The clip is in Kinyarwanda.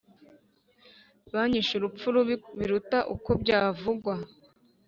Banyishe urupfu rubi biruta uko byavugwa